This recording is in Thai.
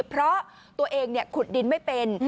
เพราะตัวเองขุดดินไม่เป็น